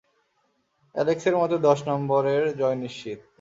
অ্যালেক্সের মতে দশ নম্বরের জয় নিশ্চিত।